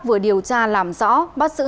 vừa điều tra làm rõ bắt giữ